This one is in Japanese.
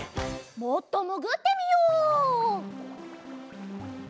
もっともぐってみよう。